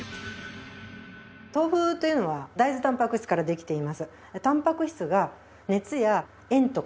豆腐というのは大豆タンパク質からできています。